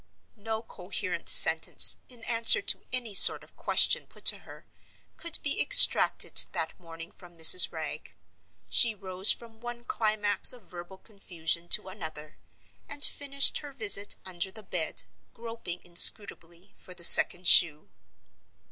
No coherent sentence, in answer to any sort of question put to her, could be extracted that morning from Mrs. Wragge. She rose from one climax of verbal confusion to another—and finished her visit under the bed, groping inscrutably for the second shoe.